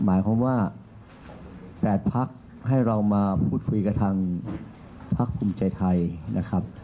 หมายความว่า๘พักให้เรามาพูดคุยกับทางพักภูมิใจไทยนะครับ